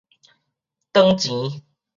轉錢